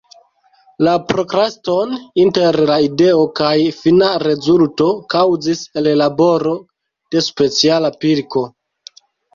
La prokraston inter la ideo kaj fina rezulto kaŭzis ellaboro de speciala pilko.